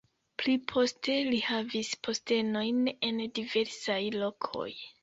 Pli poste li havis postenojn en diversaj lokoj.